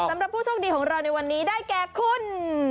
สำหรับผู้โชคดีของเราในวันนี้ได้แก่คุณ